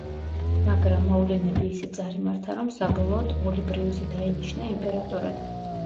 მაგრამ მოვლენები ისე წარიმართა, რომ საბოლოოდ ოლიბრიუსი დაინიშნა იმპერატორად.